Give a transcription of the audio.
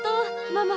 ママ